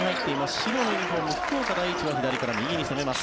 白のユニホーム、福岡第一は左から右に攻めます。